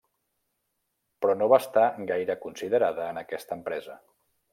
Però no va estar gaire considerada en aquesta empresa.